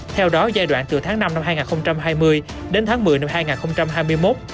theo đó giai đoạn từ tháng năm năm hai nghìn hai mươi đến tháng một mươi năm hai nghìn hai mươi một